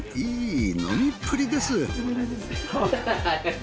いい飲みっぷりです。